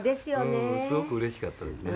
谷村：すごくうれしかったですね。